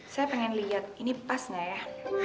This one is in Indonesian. saya pengen lihat ini pas naya